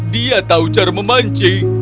dia tahu cara memancing